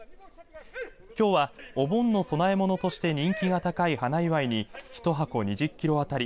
きょうはお盆の供え物として人気が高い花祝に１箱２０キロ当たり